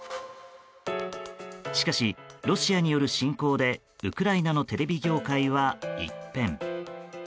しかし、ロシアによる侵攻でウクライナのテレビ業界は一変。